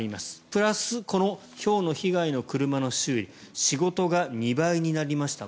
プラスこのひょうの被害の車の修理で仕事が２倍になりました。